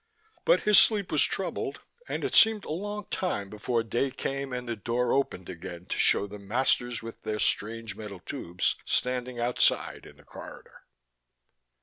But his sleep was troubled, and it seemed a long time before day came and the door opened again to show the masters with their strange metal tubes standing outside in the corridor.